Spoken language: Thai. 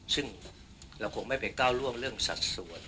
ซึ่งเราคงไม่ไปก้าวร่วงเรื่องสัดส่วน